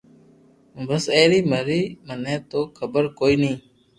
بس اي ري مري مني تو حبر ڪوئي ني